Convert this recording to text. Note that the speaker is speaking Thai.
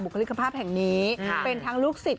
คลิกภาพแห่งนี้เป็นทั้งลูกศิษย